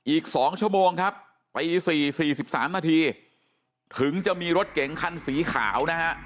อีก๒ชั่วโมงครับตี๔๔๓นาทีถึงจะมีรถเก๋งคันสีขาวนะฮะ